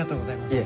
いえ。